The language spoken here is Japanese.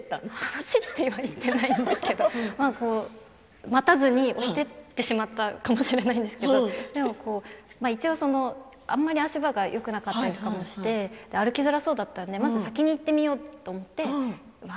走ってはいないんですけど待たずに置いていってしまったかもしれないんですけどでも、一応あまり足場がよくなかったりとかもして歩きづらそうだったので先に行ってみようと思って。